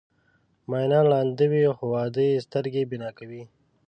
مینان ړانده وي خو واده یې سترګې بینا کوي.